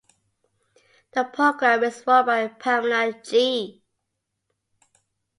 The program is run by Pamela Gee.